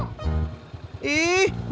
kau siap pisna